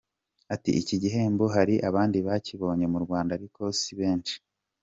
Ati” Iki gihembo hari abandi bakibonye mu Rwanda ariko si benshi.